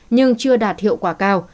nhưng chưa đạt hiệu quả cao